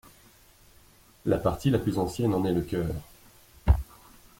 La partie la plus ancienne en est le chœur.